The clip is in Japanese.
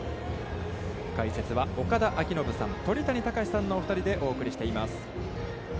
解説は岡田彰布さん、鳥谷敬さんのお二人でお送りしています。